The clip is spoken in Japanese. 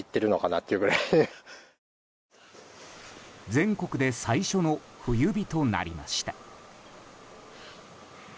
全国で最初の冬日となりました。